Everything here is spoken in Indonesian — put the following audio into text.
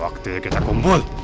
waktunya kita kumpul